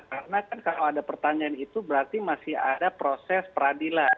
karena kalau ada pertanyaan itu berarti masih ada proses peradilan